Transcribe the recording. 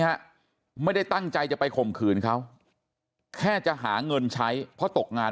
ฮะไม่ได้ตั้งใจจะไปข่มขืนเขาแค่จะหาเงินใช้เพราะตกงาน